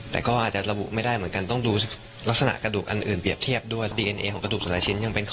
แต่ก็อาจจะระบุไม่ได้เหมือนกัน